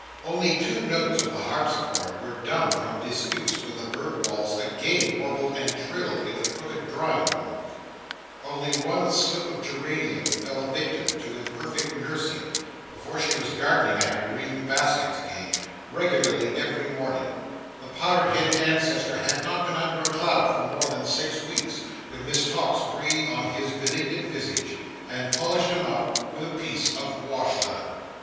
Only two notes of the harpsichord were dumb from disuse when the Bird Waltz again warbled and trilled in the crooked drawing room: only one slip of geranium fell a victim to imperfect nursing, before she was gardening at her green baskets again, regularly every morning; the powdered headed ancestor had not been under a cloud for more than six weeks, when Miss Tox breathed on his benignant visage, and polished him up with a piece of wash leather.